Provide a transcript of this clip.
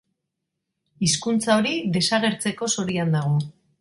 Hizkuntza hori desagertzeko zorian dago.